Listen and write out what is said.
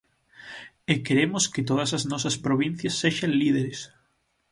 E queremos que todas as nosas provincias sexan líderes.